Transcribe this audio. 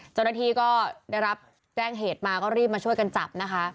เจ้าหน้าที่ก็ได้รับแจ้งเหตุมาก็รีบมาช่วยกันจับนะคะ